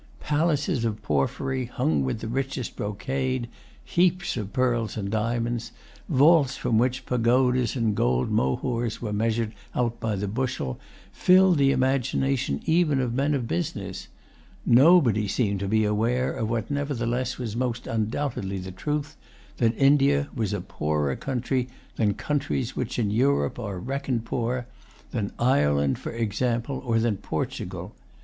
Palaces of porphyry, hung with the richest brocade, heaps of pearls and diamonds, vaults from which pagodas and gold mohurs were measured out by the bushel, filled the imagination even of men of business. Nobody seemed to be aware of what nevertheless was most undoubtedly the truth, that India was a poorer country than countries which in Europe are reckoned poor, than Ireland, for example, or than Portugal.